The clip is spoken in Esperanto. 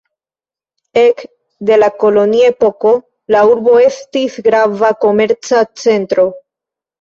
Ek de la kolonia epoko la urbo estis grava komerca centro.